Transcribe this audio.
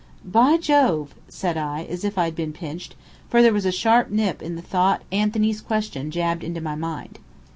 "By Jove!" said I, as if I had been pinched for there was a sharp nip in the thought Anthony's question jabbed into my mind.